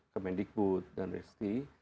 kemendikbud dan resti